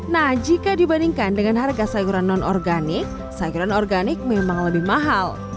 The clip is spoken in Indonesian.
nah jika dibandingkan dengan harga sayuran non organik sayuran organik memang lebih mahal